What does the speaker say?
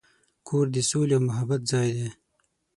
کور د سولې او محبت ځای دی.